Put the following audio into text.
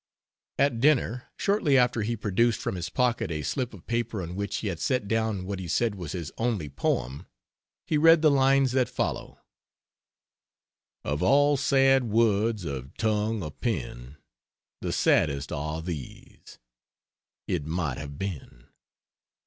At dinner shortly after he produced from his pocket a slip of paper on which he had set down what he said was "his only poem." He read the lines that follow: "Of all sad words of tongue or pen, The saddest are these: It might have been.